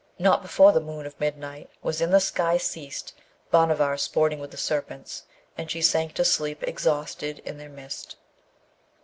Not before the moon of midnight was in the sky ceased Bhanavar sporting with the serpents, and she sank to sleep exhausted in their midst.